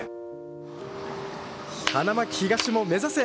花巻東も目指せ！